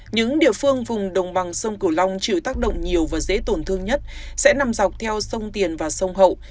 những địa phương vùng đồng bằng sông cửu long chịu tác động nhiều và dễ tổn thương nhất sẽ nằm dọc theo sông tiền và sông hậu